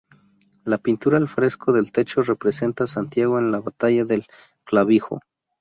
La pintura al fresco del techo representa a "Santiago en la batalla del Clavijo.